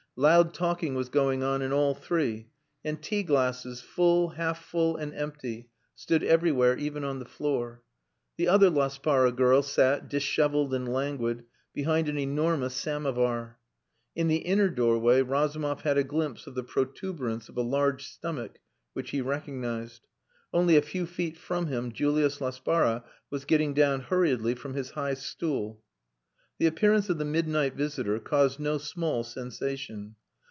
Loud talking was going on in all three, and tea glasses, full, half full, and empty, stood everywhere, even on the floor. The other Laspara girl sat, dishevelled and languid, behind an enormous samovar. In the inner doorway Razumov had a glimpse of the protuberance of a large stomach, which he recognized. Only a few feet from him Julius Laspara was getting down hurriedly from his high stool. The appearance of the midnight visitor caused no small sensation.